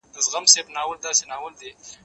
زه به سبا چپنه پاک کړم؟!